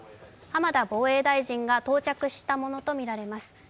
浜田防衛大臣が到着したものとみられます。